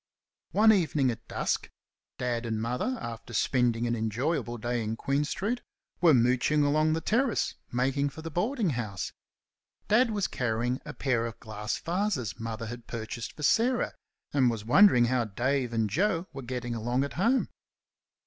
One evening at dusk Dad and Mother, after spending an enjoyable day in Queen street, were mooching along the Terrace making for the boardinghouse. Dad was carrying a pair of glass vases Mother had purchased for Sarah, and was wondering how Dave and Joe were getting along at home.